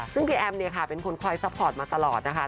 ซึ่งพี่แอมเนี่ยค่ะเป็นคนคอยซัพพอร์ตมาตลอดนะคะ